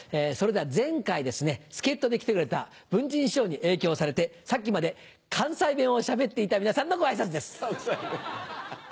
それでは前回助っ人で来てくれた文珍師匠に影響されてさっきまで関西弁をしゃべっていた皆さんのご挨拶です。